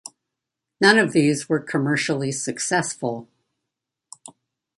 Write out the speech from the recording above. None of these were commercially successful.